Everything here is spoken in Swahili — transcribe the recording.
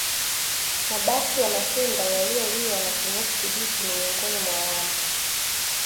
Mabaki ya matunda yaliyoliwa na kinyesi kibichi ni miongoni mwa alama